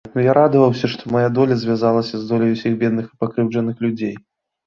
Я радаваўся, што мая доля звязалася з доляй усіх бедных і пакрыўджаных людзей.